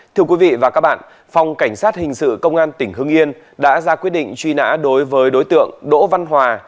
thưa quý vị và các bạn phòng cảnh sát hình sự công an tỉnh hưng yên đã ra quyết định truy nã đối với đối tượng đỗ văn hòa